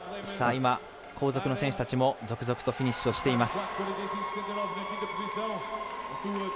今、後続の選手たちも続々とフィニッシュをしています。